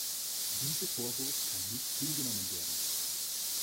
Diese Vorwurf kann nicht hingenommen werden.